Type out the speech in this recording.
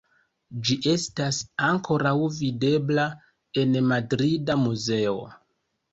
Ĝi estas ankoraŭ videbla en madrida muzeo.